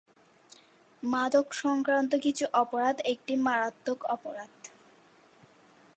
মাদক সংক্রান্ত কিছু অপরাধ একটি মারাত্মক অপরাধ।